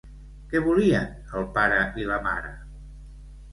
Què volien el pare i la mare?